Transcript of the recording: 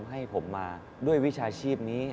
ให้ผมมาด้วยวิชาชีพนี้